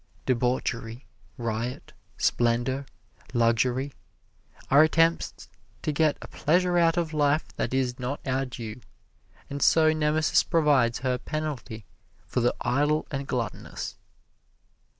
Debauchery, riot, splendor, luxury, are attempts to get a pleasure out of life that is not our due, and so Nemesis provides her penalty for the idle and gluttonous.